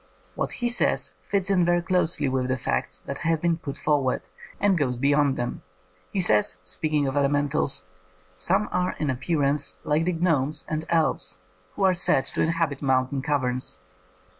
What he says fits in very closely with the facts that have been put forward, and goes beyond them. He says, speaking of elementals: ''Some are in appearance like the gnomes and elves who are said to inhabit mountain caverns.